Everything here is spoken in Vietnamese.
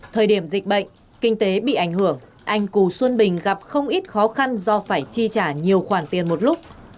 thời điểm dịch bệnh kinh tế bị ảnh hưởng anh cù xuân bình gặp không ít khó khăn do phải chi trả nhiều khoản tiền một lúc